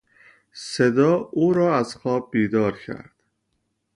صدا او را از خواب بیدار کرد.